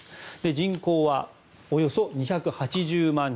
人口はおよそ２８０万人。